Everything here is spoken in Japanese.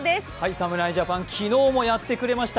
侍ジャパン、昨日もやってくれました。